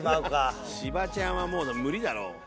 芝ちゃんはもう無理だろ。